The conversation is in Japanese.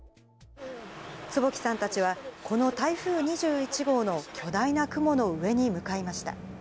坪木さんたちは、この台風２１号の巨大な雲の上に向かいました。